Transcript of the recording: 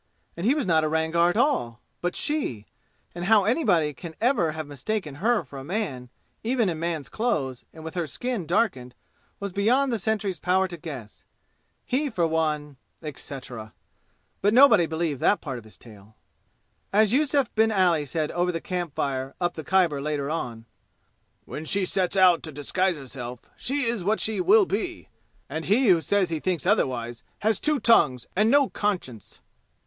And he was not a Rangar at all, but she, and how anybody can ever have mistaken her for a man, even in man's clothes and with her skin darkened, was beyond the sentry's power to guess. He for one, etc.... But nobody believed that part of his tale. As Yussuf bin Ali said over the camp fire up the Khyber later on, "When she sets out to disguise herself, she is what she will be, and he who says he thinks otherwise has two tongues and no conscience!"